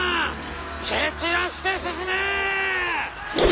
蹴散らして進め！